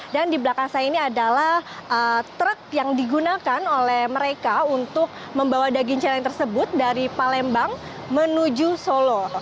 dan di belakang saya ini adalah truk yang digunakan oleh mereka untuk membawa daging celeng tersebut dari palembang menuju solo